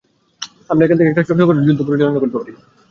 আমরা এখান থেকে একটা ছোটখাটো যুদ্ধ পরিচালনা করতে পারি।